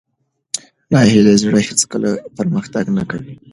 ناهیلي زړه هېڅکله پرمختګ نه کوي.